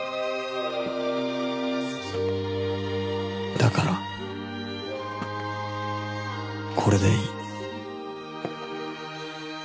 だからこれでいい